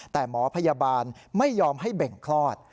แต่หมอพยาบาลไม่ยอมให้เบ่งคลอด